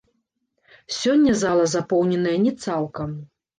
Сёння зала запоўненая не цалкам.